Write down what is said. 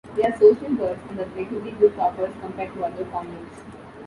They are social birds and are relatively good talkers compared to other conures.